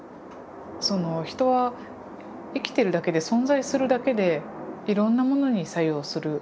人は生きてるだけで存在するだけでいろんなものに作用する。